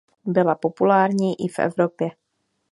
Byla populární i v Evropě.